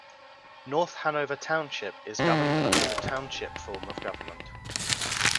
North Hanover Township is governed under the Township form of government.